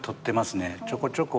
ちょこちょこ。